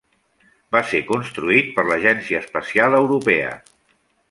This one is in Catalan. Va ser construït per l'Agència Espacial Europea.